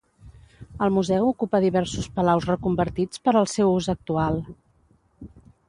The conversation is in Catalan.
El museu ocupa diversos palaus reconvertits per al seu ús actual.